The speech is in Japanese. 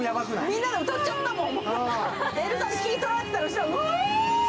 みんなで歌っちゃったもん。